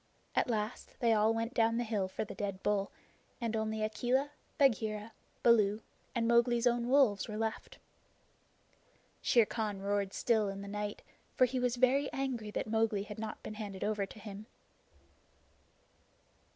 At last they all went down the hill for the dead bull, and only Akela, Bagheera, Baloo, and Mowgli's own wolves were left. Shere Khan roared still in the night, for he was very angry that Mowgli had not been handed over to him.